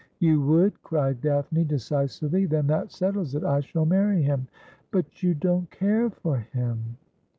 ' You would !' cried Daphne decisively. ' Then that settles it. I shall marry him.' ' But you don't care for him.'